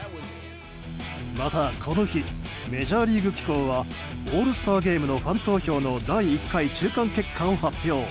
またこの日メジャーリーグ機構はオールスターゲームのファン投票の第１回の中間結果を発表。